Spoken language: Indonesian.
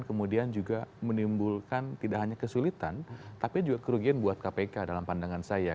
kemudian juga menimbulkan tidak hanya kesulitan tapi juga kerugian buat kpk dalam pandangan saya